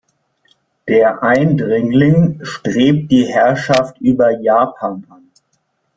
Der Eindringling strebt die Herrschaft über Japan an.